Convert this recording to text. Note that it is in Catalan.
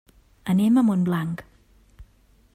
Anem a Montblanc.